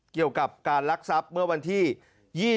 เกี่ยวกับการลักทรัพย์เมื่อวันที่๒๒